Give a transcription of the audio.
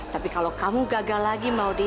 tapi kalau kamu gagal lagi maudie